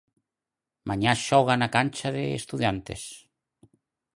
Mañá xoga na cancha de Estudantes.